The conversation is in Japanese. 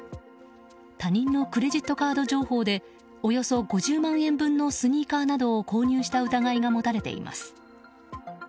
他人のクレジットカード情報でおよそ５０万円分のスニーカーなどを購入した疑いが持たれています。